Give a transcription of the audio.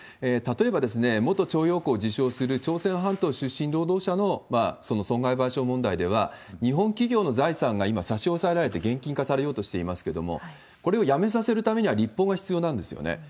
例えば元徴用工を自称する朝鮮半島出身労働者のその損害賠償問題では、日本企業の財産が今、差し押さえられて厳禁化されようとしていますけれども、これをやめさせるためには立法が必要なんですよね。